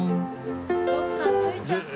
徳さん着いちゃった。